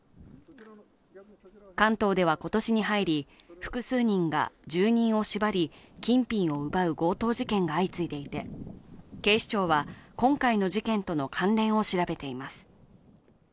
関東では今年に入り、複数人が住人を縛り金品を奪う強盗事件が相次いでいて警視庁は今回の事件との関連を調べています。